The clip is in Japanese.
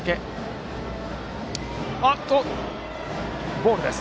ボールです。